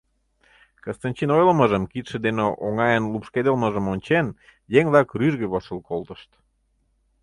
Кыстынчин ойлымыжым, кидше дене оҥайын лупшкедылмыжым ончен, еҥ-влак рӱжге воштыл колтышт.